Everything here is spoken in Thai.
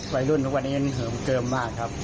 ทุกวันนี้เหิมเกิมมากครับ